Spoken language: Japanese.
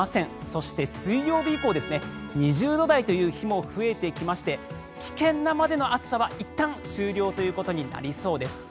そして、水曜日以降２０度台という日も増えてきまして危険なまでの暑さはいったん終了となりそうです。